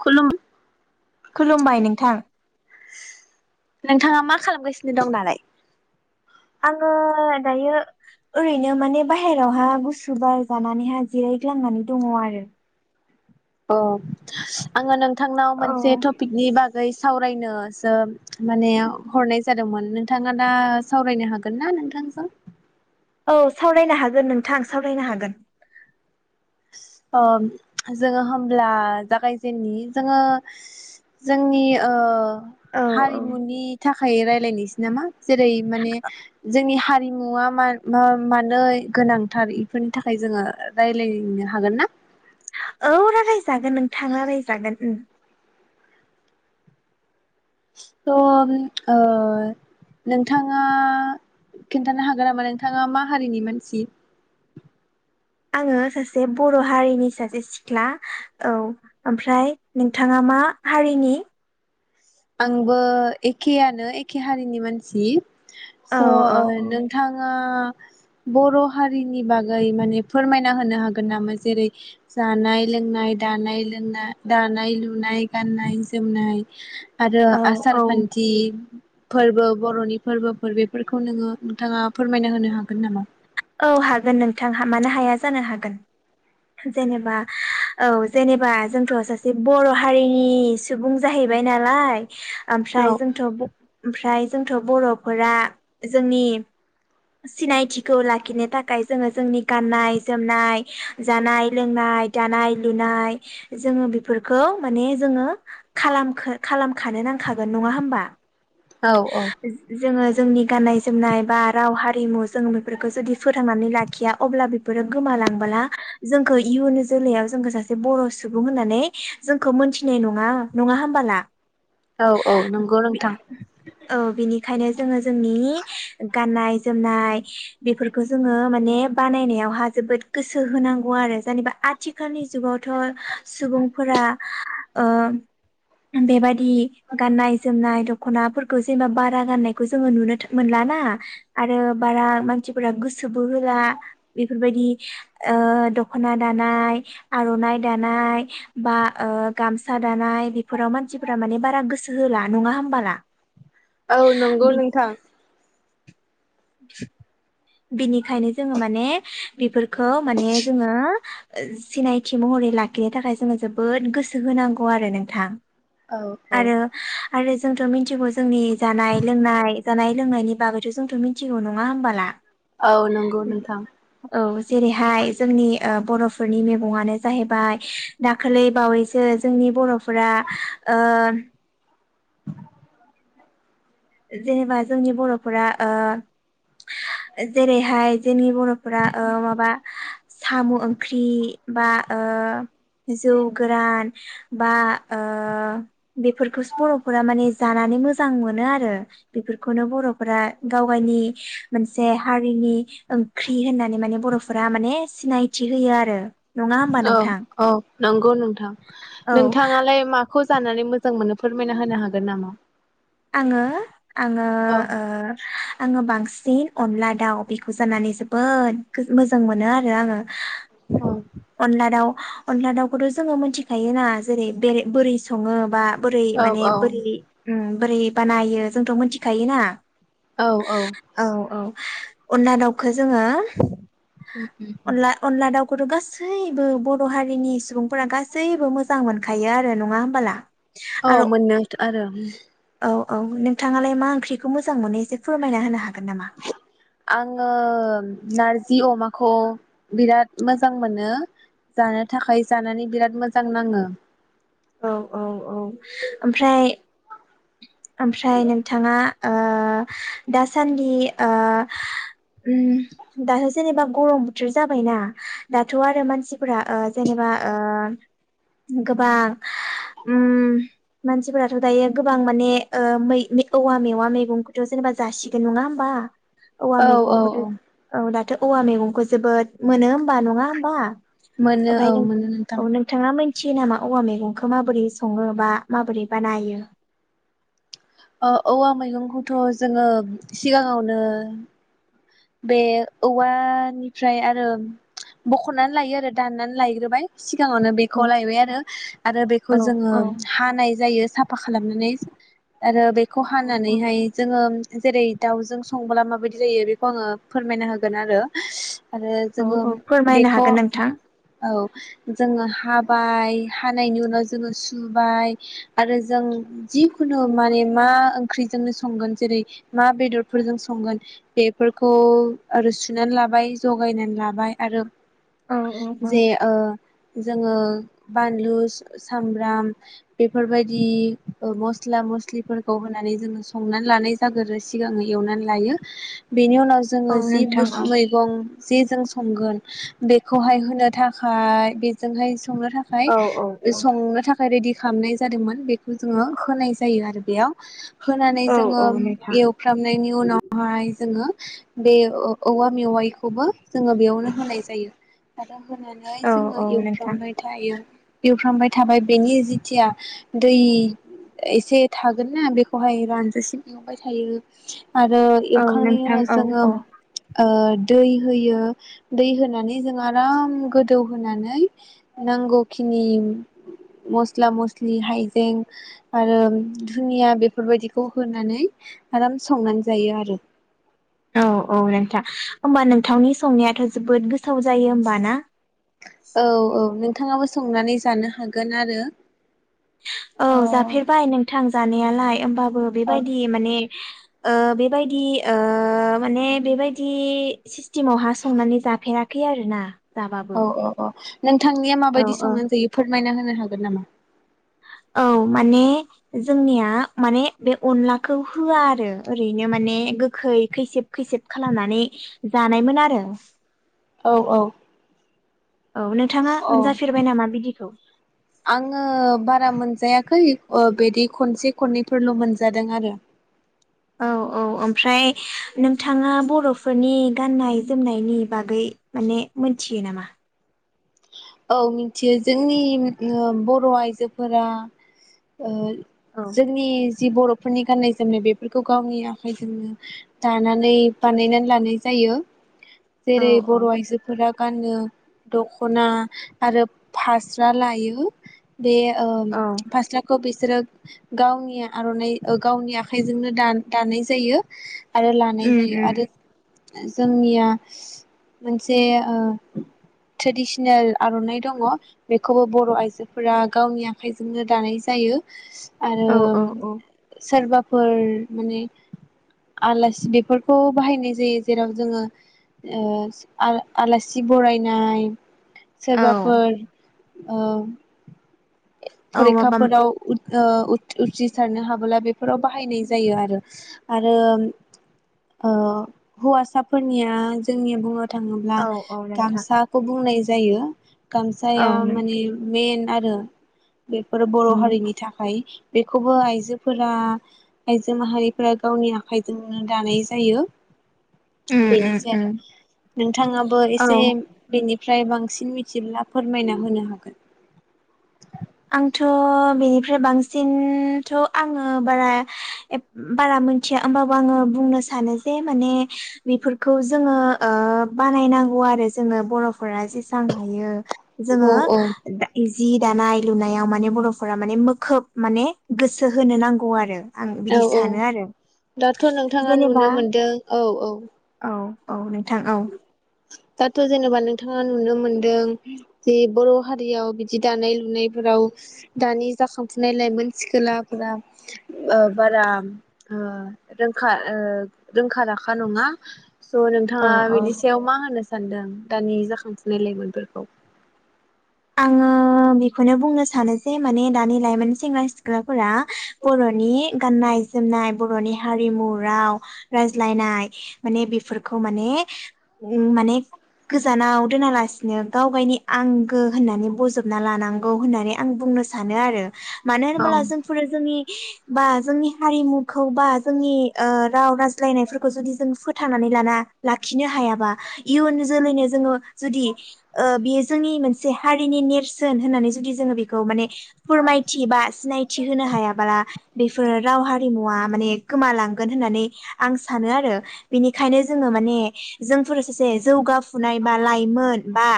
खुलुम खुलुमबाय नोंथां । नोंथाङा मा खालामगासिनो दं दालाय? आङो दायो ओरैनो माने बाहेरावहा गुसु बार जानानैहाय जिरायग्लांनानै दङ आरो। अ आङो नों थांनाव औ मोनसे टपिकनि बाग गै सावरायनोसो माने हरनाय जादोंमोन नोंथाङा दा सावरायनो हागोन ना नोंथांजों? औ सावरायनो हागोन नोंथां सावरायनो हागोन। ओ जोङो होमब्ला जागायजेननि जोङो जोंनि ओ औ औ हारिमुनि थाखाय रायलायनो। जि नेमा जेरै माने जोंनि हारि नङा मा मा माने गोनांथार इफोरनि थाखाय जोङो रायलायनो हागोन ना। थांला बायजागोन उम। थ'ओ नोंथाङा खिन्थानो हागोन नामा नोंथाङा मा हारिनि मानसि आङो सासे बर' हारिनि सासे सिख्ला औ ओमफ्राय नोंथाङा मा हारिनि आंबो एखेयानो एखे हारिनि मानसि स' औ ओ औ नोंथाङा बर' हारिनि बागै माने फोरमायना होनो हागोन नामा जेरै जानाय लोंनाय दानाय लुना दानाय लुनाय गाननाय जोमनाय। आरो औ आसार औ खान्थि फोरबो बर'नि फोरबोफोर बेफोरखौ नोङो नोंथाङा फोरमायना होनो हागोन नामा? औ हागोन नोंथां मानो हाया जानो हागोन जेनेबा औ जेनेबा जोंथ' सासे बर' हारिनि सुबुं जाहैबाय नालाय। औ ओमफ्राय जोंथ' ब ओमफ्राय जोंथ' बर'फोरा जोंनि सिनायथिखौ लाखिनो थाखाय जोङो जोंनि गाननाय जोमनाय जानाय लोंनाय दानाय लुनाय जोङो बेफोरखौ माने जोङो खालाम खालामखानो नांखागोन नङा होमबा। औ औ जोङो जोंनि गाननाय जोमनाय बा राव हारिमु जों बेफोरखौ जुदि फोथांनानै लाखिया अब्ला बेफोरो गोमालांबोला जोंखौ इयुन जोलैायाव जोंखौ सासे बर' सुबुं होननानै जोंखौ मोनथिनाय नङा नङा होमबोला। औ औ नंगौ नोंथां। औ बिनि बेखायनो जोङो जोंनि गाननाय जोमनाय बेफोरखौ जोङो माने बानायनायावहा जोबोद गोसो होनांगौ आरो जेनेबा आथिखालनि जुगावथ सुबुंफोरा ओ बेबाददि गाननाय जोमनाय दख दखनाफोरखौ जेनेबा बारा गाननायखौ जोङो नुनो मोनलााना आरो बारा मानसिफोरा गोसोबो होला बेफोरबायदि दख'ना दानाय आर'नाइ दानाय बा गामसा दानाय बेफोराव मानसिफोरा माने बारा गोसो होला नङा होमबाला। औ नंगौ नोंथां। बिनिखायनो जोङो माने बेफोर खौ माने जोङो सिनायथि महरै लाखिनो थाखाय जोङो जोबोद गोसो होनांगौ आरो नोंथां। औ औ आरो आरो जोंथ' मिनथिग जोंनि जानाय लोंनाय जानाय लोंनायनि दाबोथ जोंथ मिन मिथिगौ नङा होनोमबोला औ नंगौ नोंथां जेरैहाय जोंनि ओ बर'फोरनि मैगङानो जाहैबाय दाखोलै बावैसो जोंनि बर'फोरा ओ [inaudible] जेनेबा जोंनि बर' फोरा ओ जेरैहाय जोंनि बर'फोरा ओ माबा साम' ओंख्रि बा ओ जौ गोरान बा ओ बेफोरखौसो बर'फोरा माने जानानै मोजां मोनोआरो बेफोरखौनो बर'फोरा गाव गावनि मोनसे हारिनि ओंख्रि होननानै माने बर'फोरा माने सिनायथि होयो आरो नङा होमबा औ नोंथां औ नंगौ नोंथ औ नोंथाङालाय मा खौ जानानै मोजां मोनो फोरमायना होनो हागोन नामा? आङो आङो औ ओ आङो बांसि सिन अनला दाउ बेखौ जानानै जोबोद गो-मोजां मोनो आरो आङो औ अनला दाव अनला दाउखौथ' जोङो मिथिखायो ना जेरै बेरे-बोरै सङो बा बोरै औ माने बोरै औ उम बोरै बानायो जोंथ' मिथिखायोना औ औ अनला दाउखो जोङो उम उम उम बिखौथ' गासैबो बद हारिनि सुबुंफोरा गासैबो मोजां मोनखायो आरो नङा होमबोला? औ आरो मोननायथ' आरो औ औ नोंथाङालाय मा ओंख्रिखौ मोजां मोनो एसे फोरमायना होनो हा आङो नार जि अमाखौ बिराद मोजां मोनो जानो थाखाय जानानै बिराद मोजां नाङो । औ औ औ ओमफ्राय ओमफ्राय नोंथाङा ओ दासान्दि ओ ओम दाथ' जेनेबा गरम बोथोर जाबायना दाथ' आरो मानसिफोरा ओ जेनेबा ओ गोबां ओम मानसिफोराथ' दायो गोबां माने ओ मै-मै औवा मेवा मैगंखौथ' जेनेबा जासिगोन नङा होमबा? औवा औ औ मेगंखौथ' औ दाथ' औवा मैगंखो जोबोद मोनो होमबा नङा होमबा? मोनो औ मोनो नोंथां । थियो नामा औवा मैगंखौ माबोरै सङो बा माबोरै बानायो? ओ-औवा मैगंखौथ' जोङो सिगाङावनो बे औवा निफ्राय आरो बख'नानै लायो आरो दाननानै लायग्रोबाय सि गाङावनो बेखौ औ लायबाय आरो आरो बेखौ औ जोङो औ हानाय जायो सा फा खालामनानै आरो बे खौ औ हानानैहाय जोङो जेरै दाउजों संब्ला माबायदि जायो बे खौ आङो फोरमायना होगोन आरो आरो औ जोङो औ फोरमायनो बेखौ हागोन नोंथां औ जोङो हा बाय हानायनि उनाव जोङो सुबाय आरो जों जिखुनु माने मा ओंख्रिजोंनो संगोन जेरै मा बेदरफोरजों संगोन बे फोरखौ आरो सुनानै लाबाय जगायनानै लाबाय आरो औ औ जे ओ जोङो बानलु सामब्राम बेफोरबायदि ओ मस्ला मस्लिफोरखौ होनानै जोङो संनानै लानाय जाग्रोयि सिगाङो एवनानै लायो । बेनि उनाव जोङो औ जि नोंथां औ [unintelligible] मैगं जिजों संगोन बेखौहाय होनो थाखाय बेजोंहाय संनो थाखाय औ औ औ संनो थाखाय रेडि खालामनाय जादोंमोन बेखौ जोङो होनाय जायो आरो बेयाव होनानै औ जोङो औ नोंथां एवफ्रामनायनि उनावहाय जोङो बे ओ-औवा मेवाइखौबो जोङो बेयावनो होनाय जायो । आरो होनानै औ जोङो औ नोंथां एवफ्रामबाय थायो । एवफ्रामबाय थाबाय बेनि जिथिया दै एसे थागोनना बेखौहाय रानजासिम एवबाय थायो आरो औ खांनायनि नोंथां औ उनाव औ जोङो ओ दै होयो दै होनानै जों आराम गोदौ होनानै नांगौखिनि मस्ला मस्लि हाइजें आरो धुनिया बेफोरबायदिखौ होनानै आराम संनानै जायो आरो । औ औ नोंथां। होमबा नोंथांनि संनायाथ' जोबोद गोथाव जायो होमबा ना? औ औ नों नोंथाङाबो संनानै जानो हागोन आरो। औ जाफेरबाय नोंथां। जानायालाय ओमबा- बो बेबायदि माने ओ बेबायदि ओ माने बेबायदि सिस्टेमाव हा संनानै जाफेरा खै आरो ना। औ औ औ। नोंथांनिया औ माबायदि औ संनानै जायो फोरमायना होनो हागोन नामा? औ माने जोंनिया माने बे अनलाखौ होआ आरो ओरैनो माने गोखै खैसेब खैसेब खालामनानै जानायमोन आरो। औ औ औ नोंथाङा अ मोनजाफेरबाय नामा बिदिखौ आङो बारा मोनजायाखै। खै ओ बिदि खनसे खननैफोरल मोनजादों आरो। औ औ ओमफ्राय नोंथाङा बर'फोरनि गाननाय जोमनायनि बागै माने मोनथियो नामा? औ मिथियो जोंनि बर'आइजोफोरा ओ औ जोंनि जि बर'फोरनि गाननाय जोमनाय बेफोरखौ गावनि आखाइजोंनो दानानै बानायनानै लानाय जायो। औ जेरै बर' आइजोफोरा गाननो दखना आरो फास्रा लायो। बे ओ औ फास्लाखौ बेसोरो गावनि आर'नाइ ओ गावनि आखाइजोंनो दा-दानाय जायो। आरो लानाय उम जायो उम आरो। जोंनिया मोनसे ओ ट्रेडिसनेल आर'नाइ दङ बेखौबो बर' आइजोफोरा गावनि आखाइजोंनो दानाय जायो। आरो औ औ औ सोरबा फोर माने आलासि बेफोरखौ बाहायनाय जायो जेराव जोङो ओ आल-आलासि बरायनाय। औ सोरबाफोर ओ औ माबा फरिखाफोराव उथ ओ उथ-उथ्रिसारनो हाबोला बेफोराव बाहायनाय जायो आरो आरो ओ हौवासाफोरनिया जोंनि बुङो। थाङोब्ला औ औ नोंथां गामसाखौ बुंनाय जायो। औ गामसाया नों माने मेन आरो बेफोर बर' उम हारिनि थाखाय बेखौबो आइजोफोरा आइजो माहारिफोरा गावनि आखाइजोंनो दानाय जायो। उम उम बेनोसै उम आरो नोंथाङाबो एसे औ बेनि फ्राय बांसिन मिथिब्ला फोरमायना होनो हागोन। आंथ' बेनिफ्राय बांसिनथ' आङो बारा एफ बारा मोनथिया होमबाबो आङो बुंनो सानो जे माने बेफोरखौ जोङो ओ बानायनांगौ आरो जोङो बर' फोरा जेसेबां हायो औ औ जोङो जि दानाय लुनायाव माने बर'फोरा माने मोखोब माने गोसो होनो नांगौ आरो। आं औ बिदि औ सानो आरो दाथ' नोंथाङा जेनेबा नुनो मोनदों औ औ। औ औ नोंथां औ। दाथ' जेनेबा नोंथाङा नुनो मोनदों जे बर' हारियाव बिदि दानाय लुनायफोराव दानि जाखांफुनाय लाइमोन सिखोलाफोरा ओ बारा ओ रोंखा ओ रोंखा राखा नङा। स' नोंथाङा औ औ बेनिसा मा होनो सानदों दानि जाखांफुनाय लाेमोनफोरखौ? आङो बेखौनो बुंनो सानो जे माने दानि लाइमोन सेंग्रा सिख्लाफोरा बर'नि गाननाय जोमनाय बर'नि हारिमु राव रायज्लायनाय माने बेफोरखौ माने माने गोजानाव दोनालासिनो गावगायनि आं गो होननानै बजबना लानांगौ होननानै आं बुंनो सानो आरो। मानो औ होनोब्ला जोंफोरो जोंनि बा जोंनि हारिमुखौ बा जोंनि ओ राव रायज्लायनायफोरखौ जुदि जों फोथांनानै लाना लाखिनो हायाबा इयुन जोलैनो जोङो जुदि ओ बेयो जोंनि मोनसे से हारिनि नेरसोन होननानै जुदि जोङो बेखौ माने फोरमायथि बा सिनायथि होनो हायाबाला बेफोरो राव हारिमुवा माने गोमालांगोन होननानै आं सानो आरो बेनिखायनो जोङो माने जोंफोर सासे जौगाफुनाय बा लाइमोन बा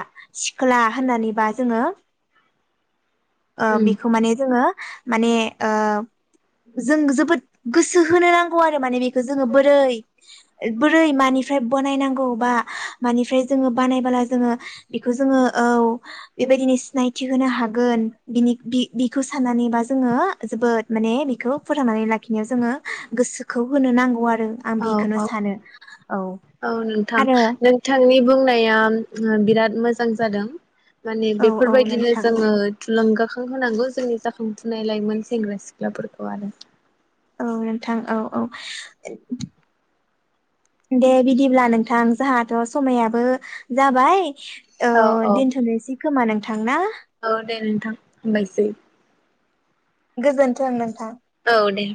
सिख्ला फाननानैबा जोङो ओ उम बेखौ माने जोङो माने ओ जों जोबोद गोसो होनो नांगौ आरो माने बेखौ जोङो बोरै बोरै मानिफ्राय बनायनांगौ बा मानिफ्राय जोङो बानायबोला जोङो बेखौ जोङो औ बेबायदिनो सिनायथि होनो हागोन बिनि बि बिखौ साननानैबा जोङो जोबोद माने बिखौ फोथांनानै लाखिनायाव जोङो गोसोखौ होनो नांगौ आरो। आं अ बिखौनो अ सानो औ नोंथां आरो नोंथांनि बुंनाया बिराद मोजां जादों। माने औ औ बेफोरबायदिनो नोंथां जोङो थुलुंगा खांहोनांगौ जोंनि जाखांफुनाय लाइमोन सेंग्रा सिख्लाफोरखौ आरो। औ नोंथां औ औ दे बिदिब्ला नोंथां जोंहाथ' समायाबो जाबाय औ दोनथ'नोसै खोमा नों थां ना? औ दे नोंथां हामबायसै। गोजोन्थों नोंथां। औ दे